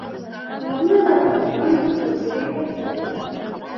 تالابونه د افغانستان د سیلګرۍ برخه ده.